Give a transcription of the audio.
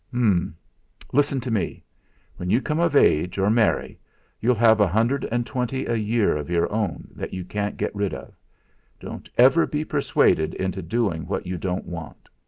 "H'm! Listen to me. When you come of age or marry, you'll have a hundred and twenty a year of your own that you can't get rid of. Don't ever be persuaded into doing what you don't want.